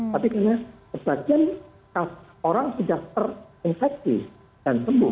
tapi karena sebagian orang sudah terinfeksi dan sembuh